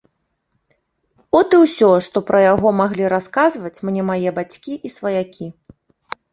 От і ўсё, што пра яго маглі расказваць мне мае бацькі і сваякі.